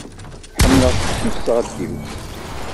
Ḥemmleɣ seksu s tɣeddiwt.